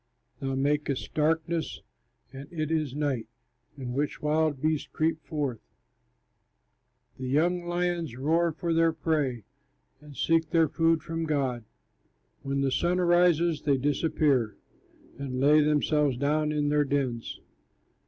Thou makest darkness, and it is night, In which wild beasts creep forth; The young lions roar for their prey, And seek their food from God. When the sun arises they disappear, And lay themselves down in their dens.